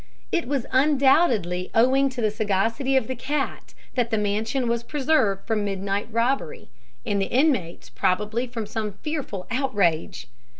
It was undoubtedly owing to the sagacity of the cat that the mansion was preserved from midnight robbery, and the inmates probably from some fearful outrage.